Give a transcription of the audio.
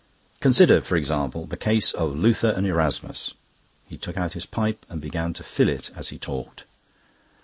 "Consider, for example, the case of Luther and Erasmus." He took out his pipe and began to fill it as he talked.